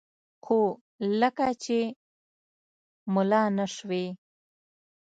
خو لکه چې ملا نه سوې.